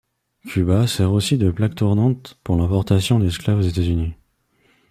Cuba sert aussi de plaque tournante pour l'importation d'esclaves aux États-Unis.